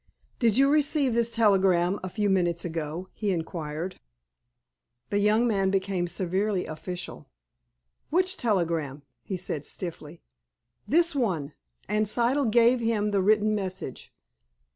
"Did you receive this telegram a few minutes ago!" he inquired. The young man became severely official. "Which telegram?" he said stiffly. "This one," and Siddle gave him the written message.